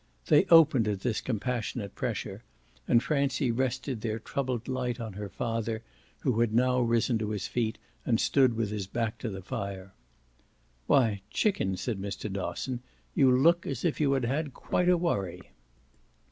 They opened at this compassionate pressure and Francie rested their troubled light on her father, who had now risen to his feet and stood with his back to the fire. "Why, chicken," said Mr. Dosson, "you look as if you had had quite a worry."